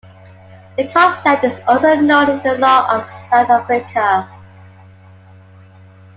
The concept is also known in the law of South Africa.